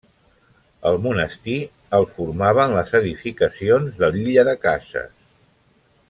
El monestir el formaven les edificacions de l'illa de cases.